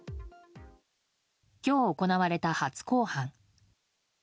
今日行われた初公判。